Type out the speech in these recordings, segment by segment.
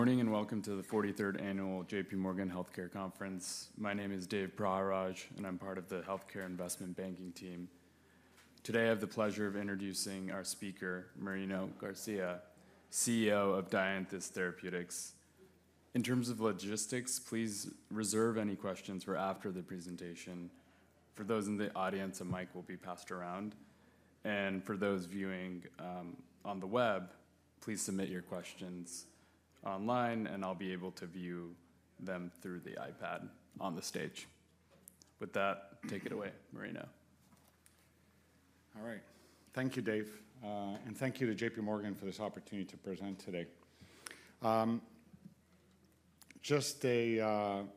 Good morning and welcome to the 43rd Annual J.P. Morgan Healthcare Conference. My name is Dave Praharaj, and I'm part of the Healthcare Investment Banking team. Today, I have the pleasure of introducing our speaker, Marino Garcia, CEO of Dianthus Therapeutics. In terms of logistics, please reserve any questions for after the presentation. For those in the audience, a mic will be passed around, and for those viewing on the web, please submit your questions online, and I'll be able to view them through the iPad on the stage. With that, take it away, Marino. All right. Thank you, Dave, and thank you to J.P. Morgan for this opportunity to present today. Just, I'm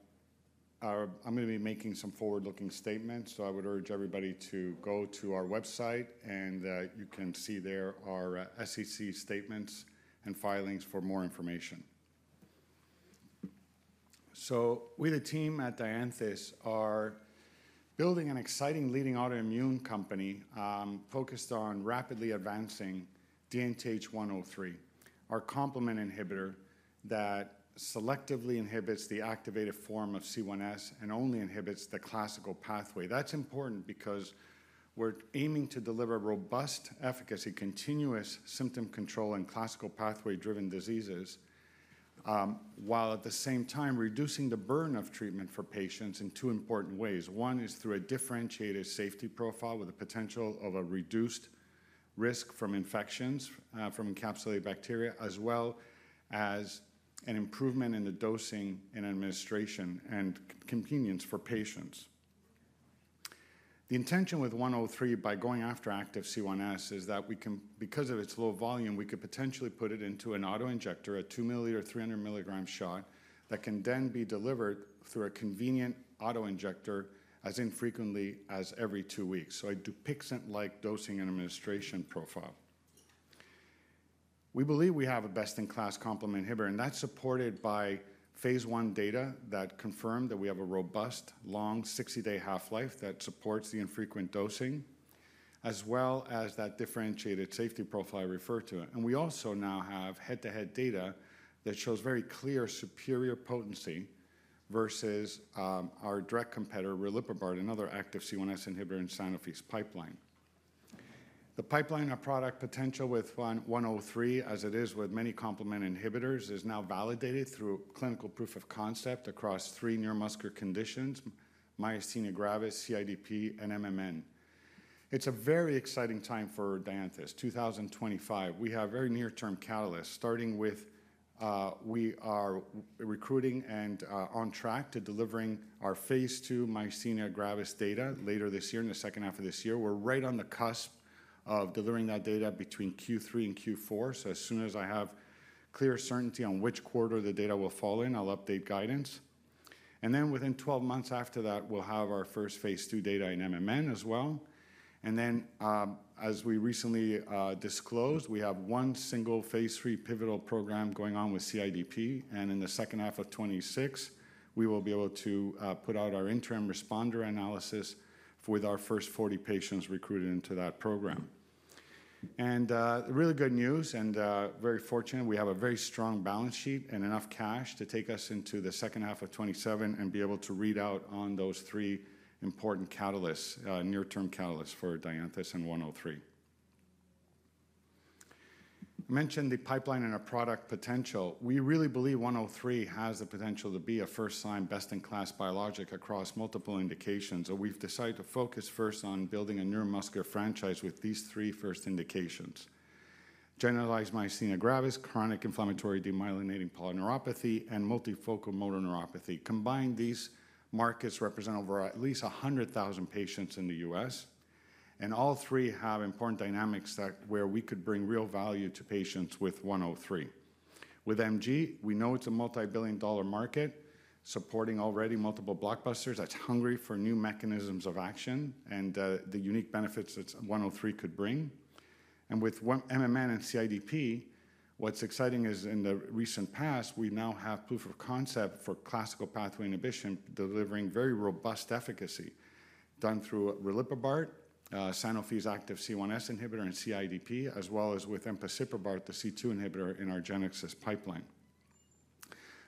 going to be making some forward-looking statements, so I would urge everybody to go to our website, and you can see there are SEC statements and filings for more information, so we, the team at Dianthus, are building an exciting leading autoimmune company focused on rapidly advancing DNTH103, our complement inhibitor that selectively inhibits the activated form of C1s and only inhibits the classical pathway. That's important because we're aiming to deliver robust, efficacy-continuous symptom control in classical pathway-driven diseases while at the same time reducing the burden of treatment for patients in two important ways. One is through a differentiated safety profile with the potential of a reduced risk from infections from encapsulated bacteria, as well as an improvement in the dosing and administration and convenience for patients. The intention with 103, by going after active C1s, is that we can, because of its low volume, we could potentially put it into an autoinjector, a 2-milliliter, 300-milligram shot that can then be delivered through a convenient autoinjector as infrequently as every two weeks. So a Dupixent-like dosing and administration profile. We believe we have a best-in-class complement inhibitor, and that's supported by phase I data that confirm that we have a robust, long 60-day half-life that supports the infrequent dosing, as well as that differentiated safety profile I referred to, and we also now have head-to-head data that shows very clear superior potency versus our direct competitor, riliprubart, another active C1s inhibitor in the Sanofi pipeline. The pipeline of product potential with 103, as it is with many complement inhibitors, is now validated through clinical proof of concept across three neuromuscular conditions: myasthenia gravis, CIDP, and MMN. It's a very exciting time for Dianthus 2025. We have very near-term catalysts, starting with, we are recruiting and on track to delivering our phase II myasthenia gravis data later this year in the second half of this year. We're right on the cusp of delivering that data between Q3 and Q4. So as soon as I have clear certainty on which quarter the data will fall in, I'll update guidance. And then within 12 months after that, we'll have our first phase II data in MMN as well. And then, as we recently disclosed, we have one single phase III pivotal program going on with CIDP. And in the second half of 2026, we will be able to put out our interim responder analysis with our first 40 patients recruited into that program. And really good news and very fortunate, we have a very strong balance sheet and enough cash to take us into the second half of 2027 and be able to read out on those three important catalysts, near-term catalysts for Dianthus and 103. I mentioned the pipeline and our product potential. We really believe 103 has the potential to be a first-time best-in-class biologic across multiple indications. So we've decided to focus first on building a neuromuscular franchise with these three first indications: generalized myasthenia gravis, chronic inflammatory demyelinating polyneuropathy, and multifocal motor neuropathy. Combined, these markets represent over at least 100,000 patients in the U.S. And all three have important dynamics where we could bring real value to patients with 103. With MG, we know it's a multi-billion dollar market supporting already multiple blockbusters. That's hungry for new mechanisms of action and the unique benefits that 103 could bring. And with MMN and CIDP, what's exciting is in the recent past, we now have proof of concept for classical pathway inhibition delivering very robust efficacy done through riliprubart, Sanofi's active C1s inhibitor in CIDP, as well as with empasiprubart, the C2 inhibitor in Argenx's pipeline.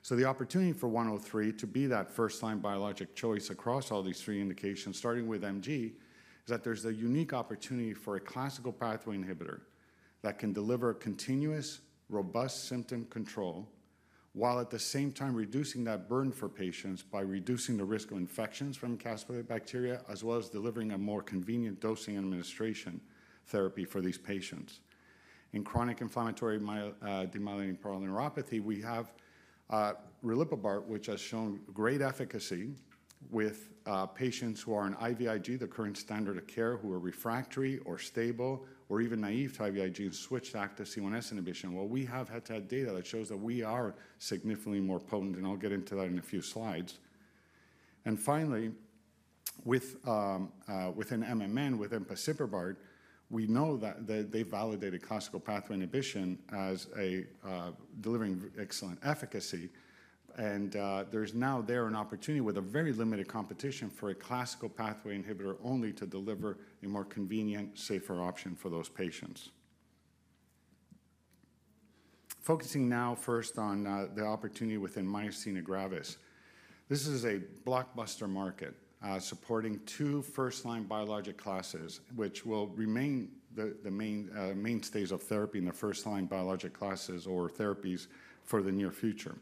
So the opportunity for 103 to be that first-time biologic choice across all these three indications, starting with MG, is that there's a unique opportunity for a classical pathway inhibitor that can deliver continuous robust symptom control while at the same time reducing that burden for patients by reducing the risk of infections from encapsulated bacteria, as well as delivering a more convenient dosing and administration therapy for these patients. In chronic inflammatory demyelinating polyneuropathy, we have riliprubart, which has shown great efficacy with patients who are on IVIg, the current standard of care, who are refractory or stable or even naive to IVIg and switched active C1s inhibition. We have had to have data that shows that we are significantly more potent, and I'll get into that in a few slides. And finally, with an MMN with empasiprubart, we know that they've validated classical pathway inhibition as delivering excellent efficacy. And there's now an opportunity with a very limited competition for a classical pathway inhibitor only to deliver a more convenient, safer option for those patients. Focusing now first on the opportunity within myasthenia gravis. This is a blockbuster market supporting two first-line biologic classes, which will remain the mainstays of therapy in the first-line biologic classes or therapies for the near future.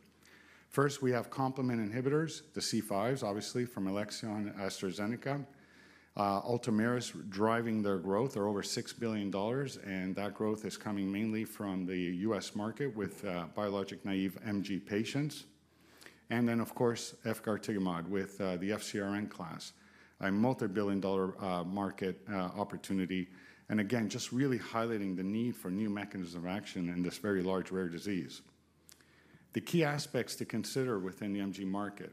First, we have complement inhibitors, the C5s, obviously from Alexion, AstraZeneca. Ultomiris driving their growth are over $6 billion, and that growth is coming mainly from the U.S. market with biologic-naive MG patients, and then, of course, efgartigimod with the FcRn class, a multi-billion dollar market opportunity, and again, just really highlighting the need for new mechanisms of action in this very large, rare disease. The key aspects to consider within the MG market,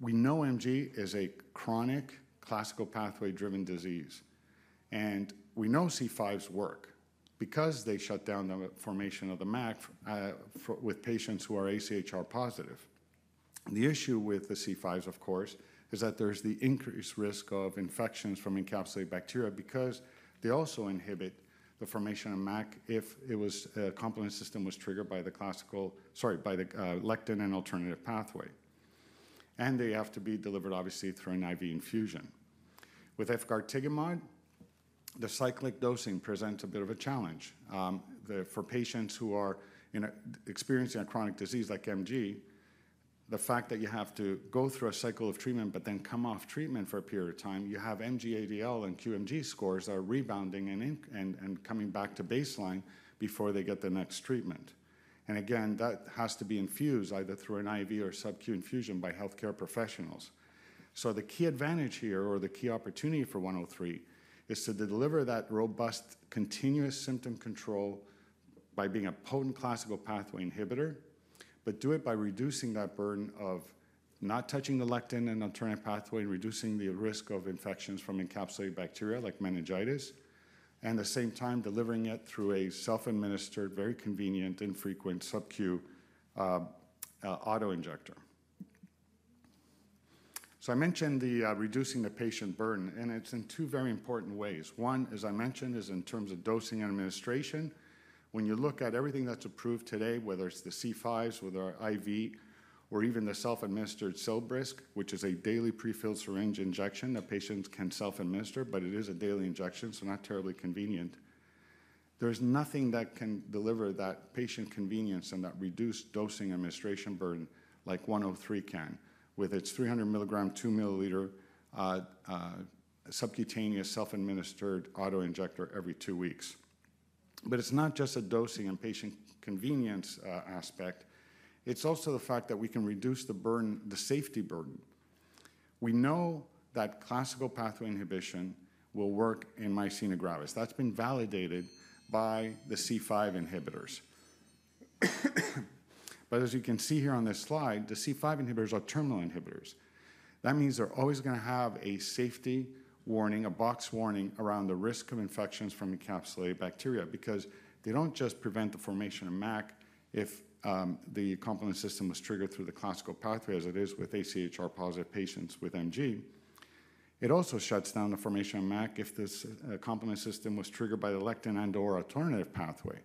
we know MG is a chronic classical pathway-driven disease, and we know C5s work because they shut down the formation of the MAC with patients who are AChR positive. The issue with the C5s, of course, is that there's the increased risk of infections from encapsulated bacteria because they also inhibit the formation of MAC if it was a complement system was triggered by the classical, sorry, by the lectin and alternative pathway. And they have to be delivered, obviously, through an IV infusion. With efgartigimod, the cyclic dosing presents a bit of a challenge. For patients who are experiencing a chronic disease like MG, the fact that you have to go through a cycle of treatment but then come off treatment for a period of time, you have MG ADL and QMG scores that are rebounding and coming back to baseline before they get the next treatment. And again, that has to be infused either through an IV or subcu infusion by healthcare professionals. So the key advantage here or the key opportunity for 103 is to deliver that robust continuous symptom control by being a potent classical pathway inhibitor, but do it by reducing that burden of not touching the lectin and alternative pathway and reducing the risk of infections from encapsulated bacteria like meningitis, and at the same time delivering it through a self-administered, very convenient, infrequent subcu autoinjector. So I mentioned the reducing the patient burden, and it's in two very important ways. One, as I mentioned, is in terms of dosing and administration. When you look at everything that's approved today, whether it's the C5s, whether IV, or even the self-administered Zilbrysq, which is a daily prefilled syringe injection that patients can self-administer, but it is a daily injection, so not terribly convenient. There's nothing that can deliver that patient convenience and that reduced dosing administration burden like 103 can with its 300-milligram, 2-milliliter subcutaneous self-administered autoinjector every two weeks. But it's not just a dosing and patient convenience aspect. It's also the fact that we can reduce the burden, the safety burden. We know that classical pathway inhibition will work in myasthenia gravis. That's been validated by the C5 inhibitors. But as you can see here on this slide, the C5 inhibitors are terminal inhibitors. That means they're always going to have a safety warning, a box warning around the risk of infections from encapsulated bacteria because they don't just prevent the formation of MAC if the complement system was triggered through the classical pathway, as it is with AChR positive patients with MG. It also shuts down the formation of MAC if this complement system was triggered by the lectin and/or alternative pathway.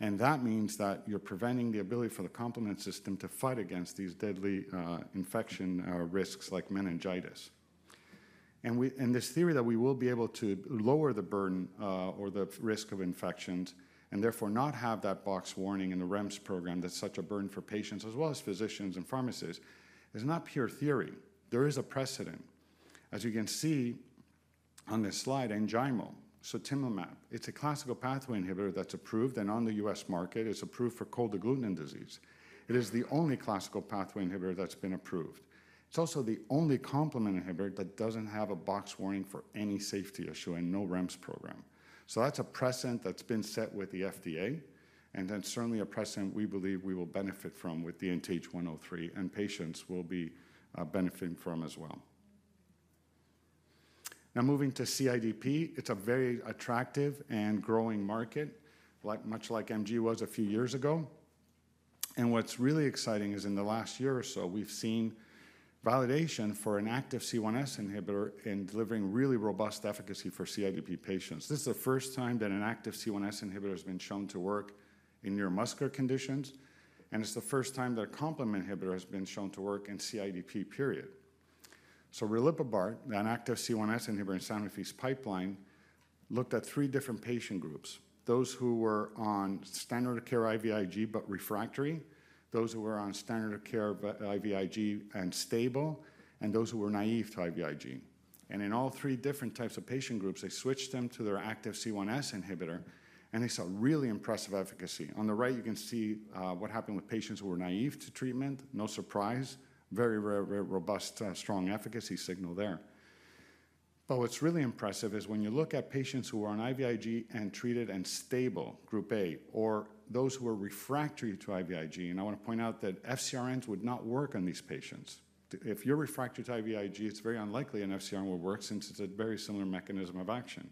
That means that you're preventing the ability for the complement system to fight against these deadly infection risks like meningitis. This theory that we will be able to lower the burden or the risk of infections and therefore not have that box warning in the REMS program that's such a burden for patients as well as physicians and pharmacists is not pure theory. There is a precedent. As you can see on this slide, Enjaymo, sutimlimab, it's a classical pathway inhibitor that's approved and on the U.S. market. It's approved for cold agglutinin disease. It is the only classical pathway inhibitor that's been approved. It's also the only complement inhibitor that doesn't have a box warning for any safety issue and no REMS program. That's a precedent that's been set with the FDA, and then certainly a precedent we believe we will benefit from with DNTH103, and patients will be benefiting from as well. Now moving to CIDP, it's a very attractive and growing market, much like MG was a few years ago. What's really exciting is in the last year or so, we've seen validation for an active C1s inhibitor in delivering really robust efficacy for CIDP patients. This is the first time that an active C1s inhibitor has been shown to work in neuromuscular conditions, and it's the first time that a complement inhibitor has been shown to work in CIDP, period. riliprubart, an active C1s inhibitor in Sanofi's pipeline, looked at three different patient groups: those who were on standard of care IVIg but refractory, those who were on standard of care IVIg and stable, and those who were naive to IVIg. In all three different types of patient groups, they switched them to their active C1s inhibitor, and they saw really impressive efficacy. On the right, you can see what happened with patients who were naive to treatment. No surprise, very, very, very robust, strong efficacy signal there. But what's really impressive is when you look at patients who are on IVIg and treated and stable, group A, or those who are refractory to IVIg, and I want to point out that FcRns would not work on these patients. If you're refractory to IVIg, it's very unlikely an FcRn will work since it's a very similar mechanism of action.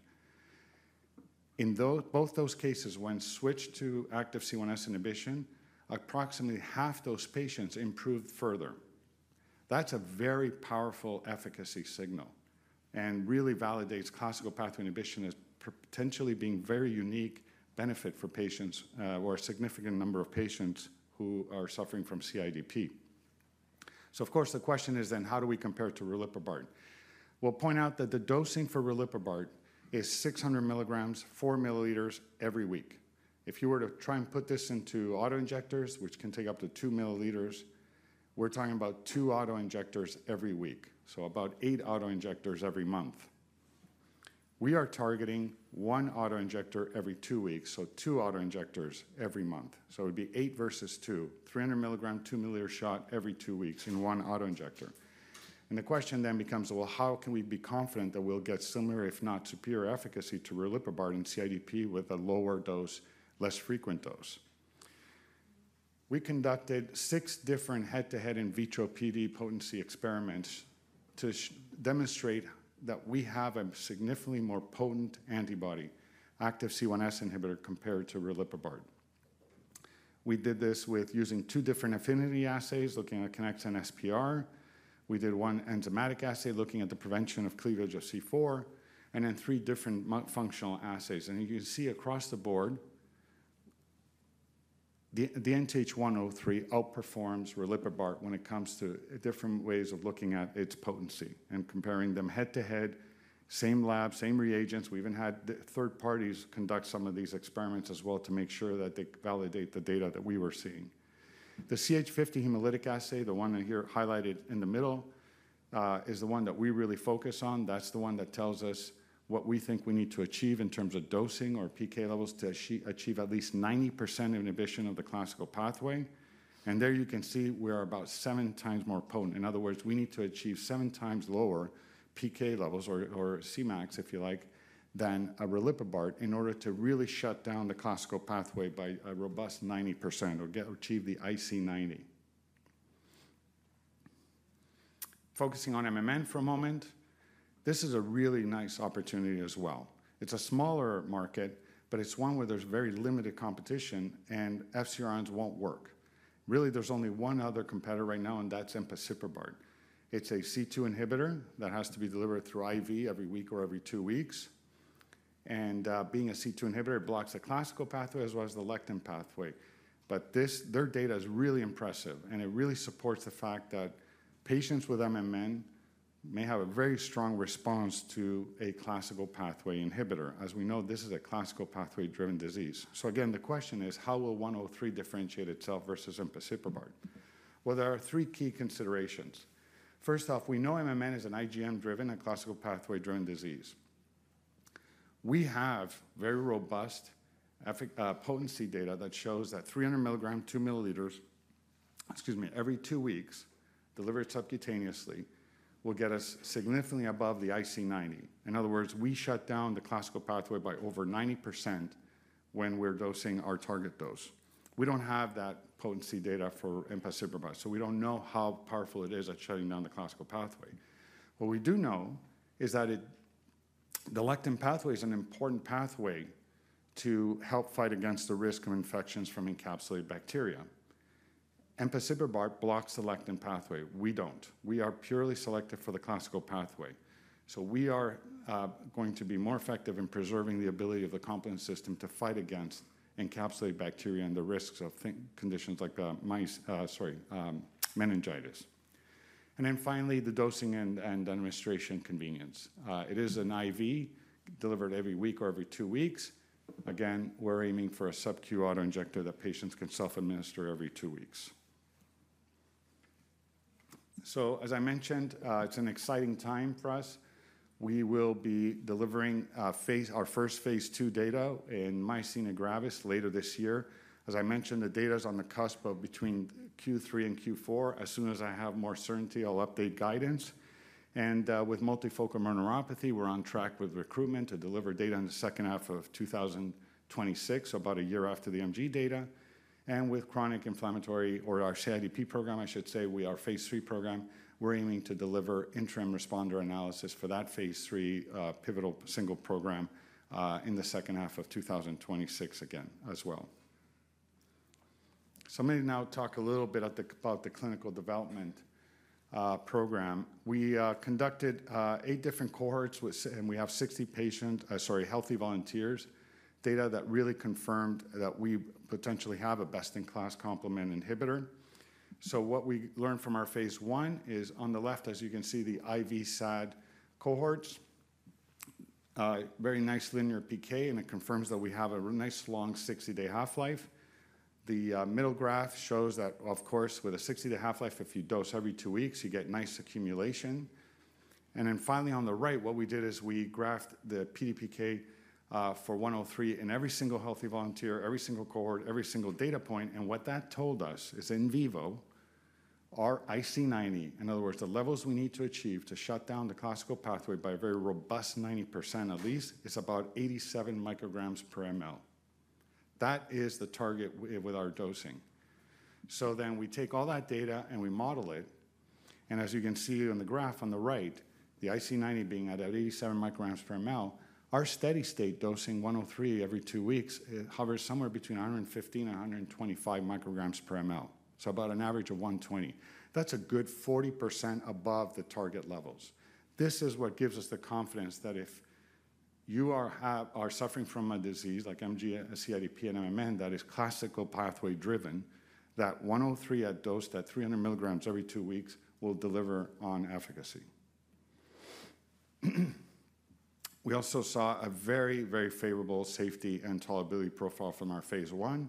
In both those cases, when switched to active C1s inhibition, approximately half those patients improved further. That's a very powerful efficacy signal and really validates classical pathway inhibition as potentially being a very unique benefit for patients or a significant number of patients who are suffering from CIDP. So of course, the question is then how do we compare it to riliprubart? We'll point out that the dosing for riliprubart is 600 milligrams, 4 milliliters every week. If you were to try and put this into autoinjectors, which can take up to 2 milliliters, we're talking about two autoinjectors every week, so about eight autoinjectors every month. We are targeting one autoinjector every two weeks, so two autoinjectors every month. So it would be eight versus two, 300 milligram, two milliliter shot every two weeks in one autoinjector. And the question then becomes, well, how can we be confident that we'll get similar, if not superior efficacy to riliprubart and CIDP with a lower dose, less frequent dose? We conducted six different head-to-head in vitro PD potency experiments to demonstrate that we have a significantly more potent antibody active C1s inhibitor compared to riliprubart. We did this with using two different affinity assays looking at KinExA and SPR. We did one enzymatic assay looking at the prevention of cleavage of C4, and then three different functional assays. And you can see across the board, the DNTH103 outperforms riliprubart when it comes to different ways of looking at its potency and comparing them head-to-head, same lab, same reagents. We even had third parties conduct some of these experiments as well to make sure that they validate the data that we were seeing. The CH50 hemolytic assay, the one here highlighted in the middle, is the one that we really focus on. That's the one that tells us what we think we need to achieve in terms of dosing or PK levels to achieve at least 90% of inhibition of the classical pathway, and there you can see we're about seven times more potent. In other words, we need to achieve seven times lower PK levels or Cmax, if you like, than a riliprubart in order to really shut down the classical pathway by a robust 90% or achieve the IC90. Focusing on MMN for a moment, this is a really nice opportunity as well. It's a smaller market, but it's one where there's very limited competition and FcRns won't work. Really, there's only one other competitor right now, and that's empasiprubart. It's a C2 inhibitor that has to be delivered through IV every week or every two weeks. And being a C2 inhibitor, it blocks the classical pathway as well as the lectin pathway. But their data is really impressive, and it really supports the fact that patients with MMN may have a very strong response to a classical pathway inhibitor, as we know this is a classical pathway-driven disease. So again, the question is, how will 103 differentiate itself versus empasiprubart? Well, there are three key considerations. First off, we know MMN is an IgM-driven and classical pathway-driven disease. We have very robust potency data that shows that 300 milligram, two milliliters, excuse me, every two weeks delivered subcutaneously will get us significantly above the IC90. In other words, we shut down the classical pathway by over 90% when we're dosing our target dose. We don't have that potency data for empasiprubart, so we don't know how powerful it is at shutting down the classical pathway. What we do know is that the lectin pathway is an important pathway to help fight against the risk of infections from encapsulated bacteria. empasiprubart blocks the lectin pathway. We don't. We are purely selective for the classical pathway. So we are going to be more effective in preserving the ability of the complement system to fight against encapsulated bacteria and the risks of conditions like the mice, sorry, meningitis, and then finally, the dosing and administration convenience. It is an IV delivered every week or every two weeks. Again, we're aiming for a subcu autoinjector that patients can self-administer every two weeks, so as I mentioned, it's an exciting time for us. We will be delivering our first phase II data in Myasthenia gravis later this year. As I mentioned, the data is on the cusp of between Q3 and Q4. As soon as I have more certainty, I'll update guidance, and with multifocal motor neuropathy, we're on track with recruitment to deliver data in the second half of 2026, so about a year after the MG data, and with chronic inflammatory or our CIDP program, I should say, we are phase III program. We're aiming to deliver interim responder analysis for that phase III pivotal single program in the second half of 2026 again as well. I'm going to now talk a little bit about the clinical development program. We conducted eight different cohorts, and we have 60 patients, sorry, healthy volunteers, data that really confirmed that we potentially have a best-in-class complement inhibitor. What we learned from our phase I is on the left, as you can see, the IV SAD cohorts, very nice linear PK, and it confirms that we have a nice long 60-day half-life. The middle graph shows that, of course, with a 60-day half-life, if you dose every two weeks, you get nice accumulation. And then finally, on the right, what we did is we graphed the PK/PD for 103 in every single healthy volunteer, every single cohort, every single data point. What that told us is in vivo, our IC90, in other words, the levels we need to achieve to shut down the classical pathway by a very robust 90% at least, is about 87 micrograms per mL. That is the target with our dosing. Then we take all that data and we model it. As you can see on the graph on the right, the IC90 being at 87 micrograms per mL, our steady-state dosing 103 every two weeks hovers somewhere between 115 and 125 micrograms per mL, so about an average of 120. That's a good 40% above the target levels. This is what gives us the confidence that if you are suffering from a disease like MG, CIDP, and MMN that is classical pathway-driven, that 103 at dose that 300 milligrams every two weeks will deliver on efficacy. We also saw a very, very favorable safety and tolerability profile from our phase I.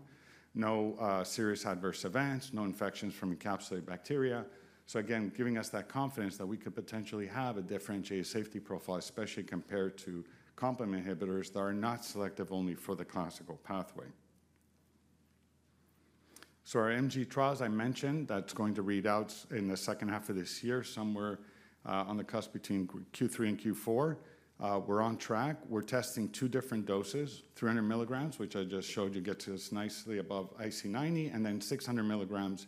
No serious adverse events, no infections from encapsulated bacteria, so again, giving us that confidence that we could potentially have a differentiated safety profile, especially compared to complement inhibitors that are not selective only for the classical pathway, so our MG trials I mentioned that's going to read out in the second half of this year somewhere on the cusp between Q3 and Q4. We're on track. We're testing two different doses, 300 milligrams, which I just showed you gets us nicely above IC90, and then 600 milligrams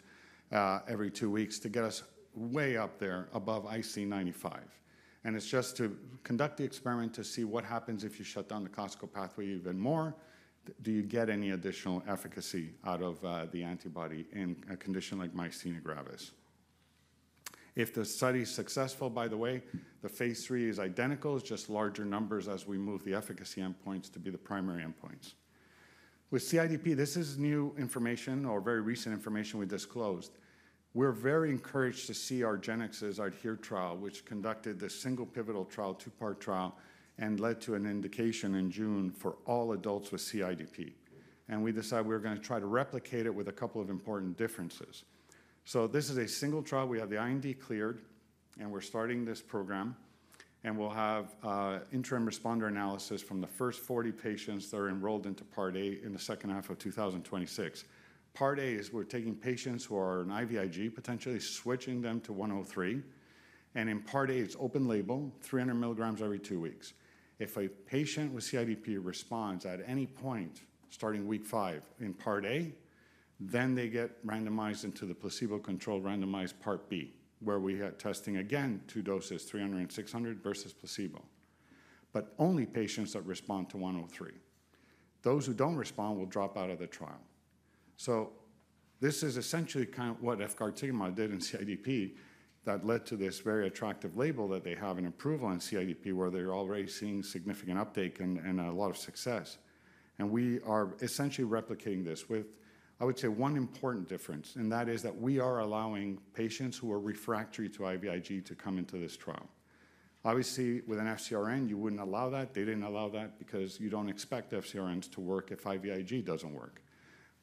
every two weeks to get us way up there above IC95, and it's just to conduct the experiment to see what happens if you shut down the classical pathway even more. Do you get any additional efficacy out of the antibody in a condition like myasthenia gravis? If the study is successful, by the way, the phase III is identical, just larger numbers as we move the efficacy endpoints to be the primary endpoints. With CIDP, this is new information or very recent information we disclosed. We're very encouraged to see our Argenx's ADHERE trial, which conducted the single pivotal trial, two-part trial, and led to an indication in June for all adults with CIDP, and we decided we were going to try to replicate it with a couple of important differences, so this is a single trial. We have the IND cleared, and we're starting this program, and we'll have interim responder analysis from the first 40 patients that are enrolled into Part A in the second half of 2026. Part A is we're taking patients who are on IVIg, potentially switching them to 103. In Part A, it's open label, 300 milligrams every two weeks. If a patient with CIDP responds at any point starting week five in Part A, then they get randomized into the placebo-controlled randomized Part B, where we had testing again, two doses, 300 and 600 versus placebo, but only patients that respond to 103. Those who don't respond will drop out of the trial. This is essentially kind of what efgartigimod did in CIDP that led to this very attractive label that they have and approval on CIDP, where they're already seeing significant uptake and a lot of success. We are essentially replicating this with, I would say, one important difference, and that is that we are allowing patients who are refractory to IVIg to come into this trial. Obviously, with an FcRn, you wouldn't allow that. They didn't allow that because you don't expect FcRns to work if IVIg doesn't work,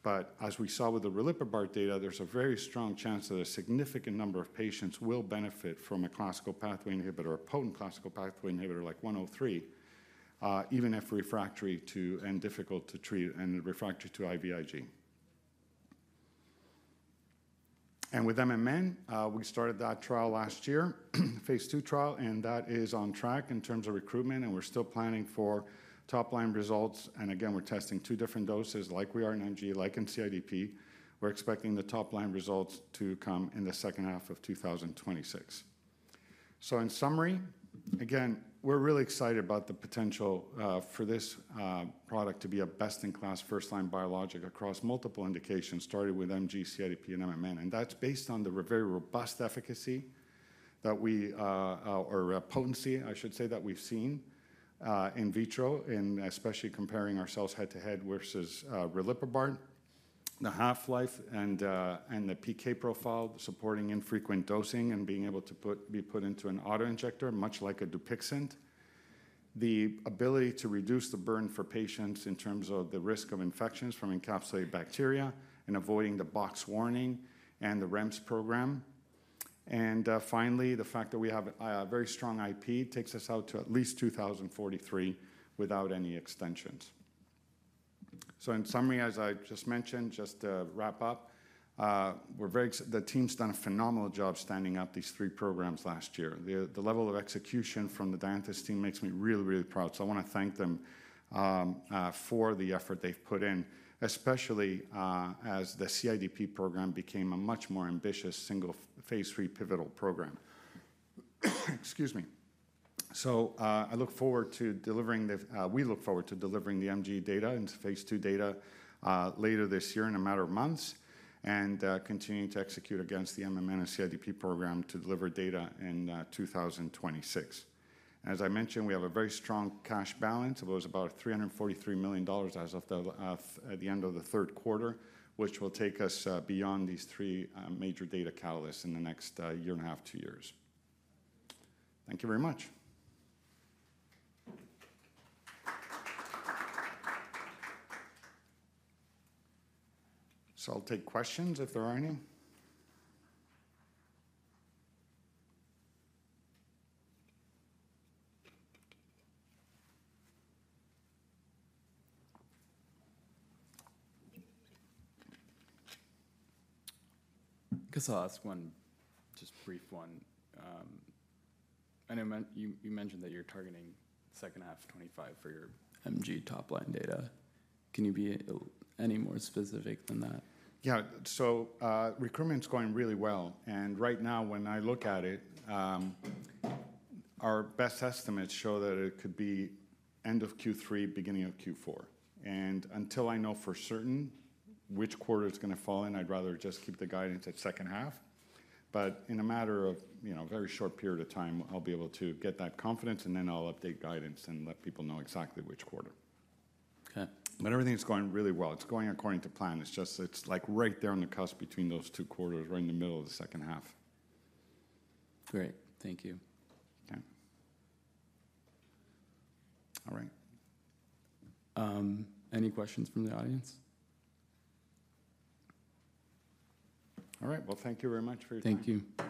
but as we saw with the riliprubart data, there's a very strong chance that a significant number of patients will benefit from a classical pathway inhibitor or potent classical pathway inhibitor like 103, even if refractory to and difficult to treat and refractory to IVIg. With MMN, we started that trial last year, phase II trial, and that is on track in terms of recruitment, and we're still planning for top-line results. Again, we're testing two different doses, like we are in MG, like in CIDP. We're expecting the top-line results to come in the second half of 2026, so in summary, again, we're really excited about the potential for this product to be a best-in-class first-line biologic across multiple indications, starting with MG, CIDP, and MMN. That's based on the very robust efficacy that we or potency, I should say, that we've seen in vitro, and especially comparing ourselves head-to-head versus riliprubart, the half-life and the PK profile supporting infrequent dosing and being able to be put into an autoinjector, much like a Dupixent, the ability to reduce the burden for patients in terms of the risk of infections from encapsulated bacteria and avoiding the box warning and the REMS program. Finally, the fact that we have a very strong IP takes us out to at least 2043 without any extensions. In summary, as I just mentioned, just to wrap up, the team's done a phenomenal job standing up these three programs last year. The level of execution from the Dianthus team makes me really, really proud. I want to thank them for the effort they've put in, especially as the CIDP program became a much more ambitious single phase III pivotal program. Excuse me. We look forward to delivering the MG data and phase II data later this year in a matter of months and continuing to execute against the MMN and CIDP program to deliver data in 2026. As I mentioned, we have a very strong cash balance of about $343 million as of the end of the third quarter, which will take us beyond these three major data catalysts in the next year and a half, two years. Thank you very much. I'll take questions if there are any. I guess I'll ask one, just brief one. I know you mentioned that you're targeting second half of 2025 for your MG top-line data. Can you be any more specific than that? Yeah. So recruitment's going really well. And right now, when I look at it, our best estimates show that it could be end of Q3, beginning of Q4. And until I know for certain which quarter it's going to fall in, I'd rather just keep the guidance at second half. But in a matter of a very short period of time, I'll be able to get that confidence, and then I'll update guidance and let people know exactly which quarter. Okay. But everything's going really well. It's going according to plan. It's just like right there on the cusp between those two quarters or in the middle of the second half. Great. Thank you. Okay. All right. Any questions from the audience? All right. Well, thank you very much for your time. Thank you.